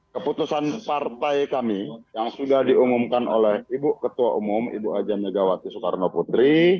keputusan partai kami yang sudah diumumkan oleh ibu ketua umum ibu ajan megawati soekarno putri